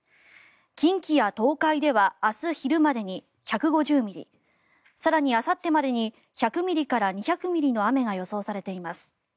近畿や東海では明日昼までに１５０ミリ更に、あさってまでに１００ミリから２００ミリの雨が予想されています。